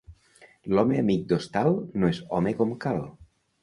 L'home amic d'hostal no és home com cal.